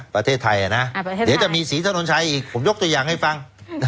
ประเทศไทยเดี๋ยวจะมีศรีถนนชัยอีกผมยกตัวอย่างให้ฟัง